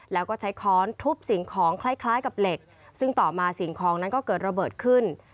แล้วก็ใช้ค้อนทุบสิ่งของคล้ายกับเหล็กซึ่งต่อมาสิ่งของนั้นก็เกิดระเบิดขึ้น